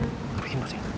gak bikin pusing